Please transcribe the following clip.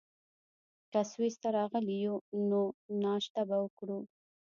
که سویس ته راغلي یو، نو ناشته به وکړو.